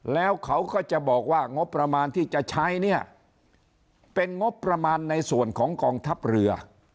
แล้วเขาก็จะบอกว่างบประมาณที่จะใช้เนี่ยเป็นงบประมาณในส่วนของกองทัพเรือ